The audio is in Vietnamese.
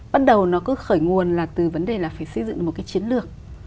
bắt đầu nó cứ khởi nguồn là từ vấn đề là phải xây dựng một cái chiến lược